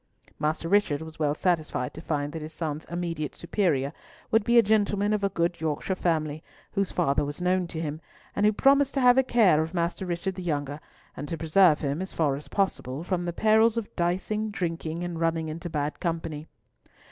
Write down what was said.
Master Richard was well satisfied to find that his son's immediate superior would be a gentleman of a good Yorkshire family, whose father was known to him, and who promised to have a care of Master Richard the younger, and preserve him, as far as possible, from the perils of dicing, drinking, and running into bad company.